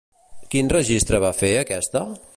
Quin registre va fer aquesta?